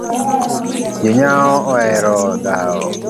Jonyao ohero dhao